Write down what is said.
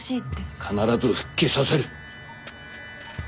必ず復帰させる。